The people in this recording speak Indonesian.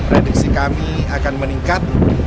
rediksi kami akan meningkat